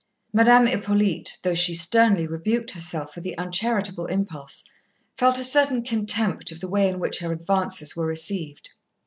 Madame Hippolyte, though she sternly rebuked herself for the uncharitable impulse, felt a certain contempt of the way in which her advances were received.